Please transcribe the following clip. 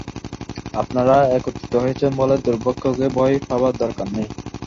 আপনারা একত্রিত হয়েছেন বলে দুর্ভাগ্যকে ভয় পাবার দরকার নেই।